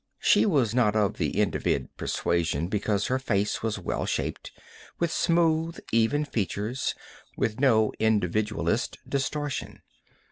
She was not of the Individ persuasion, because her face was well shaped, with smooth, even features, with no individualist distortion.